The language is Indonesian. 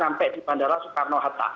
sampai di bandara soekarno hatta